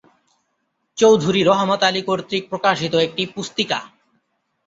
চৌধুরী রহমত আলি কর্তৃক প্রকাশিত একটি পুস্তিকা।